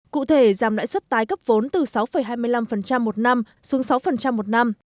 cụ thể giảm lãi suất tái cấp vốn từ sáu hai mươi năm một năm xuống sáu một năm